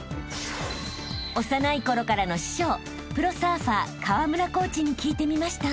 ［幼いころからの師匠プロサーファー河村コーチに聞いてみました］